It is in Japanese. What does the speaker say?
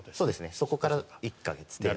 そこから１か月程度。